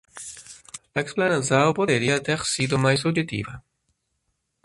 A explanação poderia ter sido mais objetiva